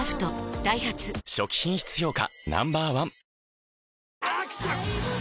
ダイハツ初期品質評価